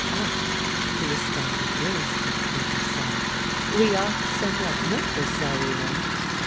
Arndt — who was standing nearest to the table — said, "We are somewhat nervous, are we not?"